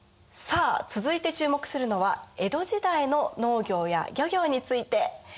さあ続いて注目するのは江戸時代の農業や漁業について。